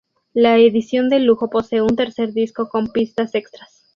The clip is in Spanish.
La edición de lujo posee un tercer disco con pistas extras.